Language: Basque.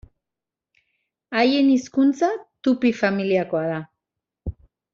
Haien hizkuntza tupi familiakoa da.